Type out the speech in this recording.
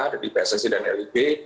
dari pssi dan lib